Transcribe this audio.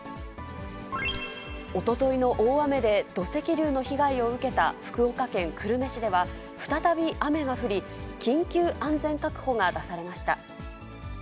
おとといの大雨で土石流の被害を受けた福岡県久留米市では、再び雨が降り、緊急安全確保が出されました。